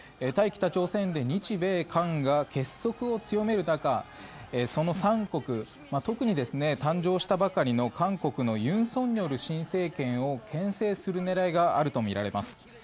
北朝鮮で日米韓が結束を強める中その３国、特に誕生したばかりの韓国の尹錫悦新政権をけん制する狙いがあるとみられます。